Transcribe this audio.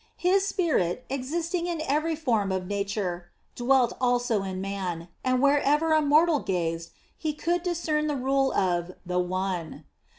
His spirit, existing in every form of nature, dwelt also in man, and wherever a mortal gazed he could discern the rule of the "One."